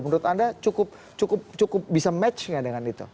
menurut anda cukup bisa match nggak dengan itu